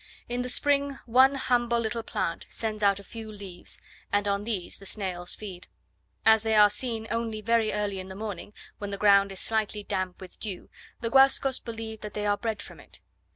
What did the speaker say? In the spring one humble little plant sends out a few leaves, and on these the snails feed. As they are seen only very early in the morning, when the ground is slightly damp with dew, the Guascos believe that they are bred from it.